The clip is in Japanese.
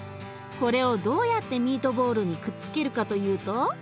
これをどうやってミートボールにくっつけるかというと。